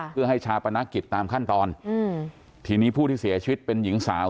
เพื่อให้ชาปนกิจตามขั้นตอนอืมทีนี้ผู้ที่เสียชีวิตเป็นหญิงสาว